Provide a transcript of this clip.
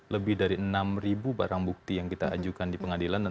lebih dari enam barang bukti yang kita ajukan di pengadilan